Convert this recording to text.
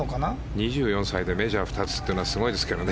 ２４歳でメジャー２つというのはすごいですけどね。